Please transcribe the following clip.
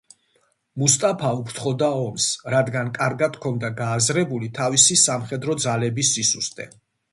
მუსტაფა უფრთხოდა ომს, რადგან კარგად ჰქონდა გააზრებული თავისი სამხედრო ძალების სისუსტე.